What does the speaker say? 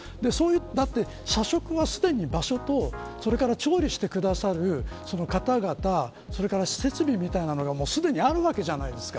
だって社食は、すでに場所とそれから調理して下さる方々それから施設みたいなものがすでにあるわけじゃないですか。